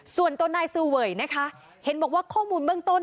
ส่วนตัวนายซูเวยนะคะเห็นบอกว่าข้อมูลเบื้องต้น